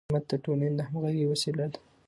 خدمت د ټولنې د همغږۍ وسیله ده.